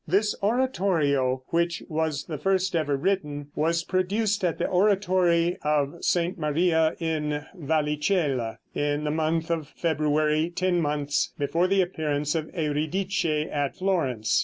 This oratorio, which was the first ever written, was produced at the oratory of St. Maria in Vallicella, in the month of February, ten months before the appearance of "Eurydice" at Florence.